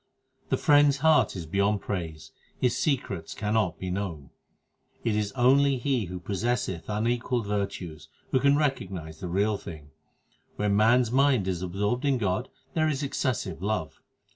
12 The Friend s heart is beyond praise : His secrets cannot be known. It is only he who possesseth unequalled virtues who can recognize the Real Thing. When man s mind is absorbed in God there is excessive love.